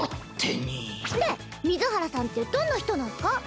で水原さんってどんな人なんっスか？